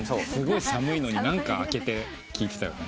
すごい寒いのに何か開けて聴いてた。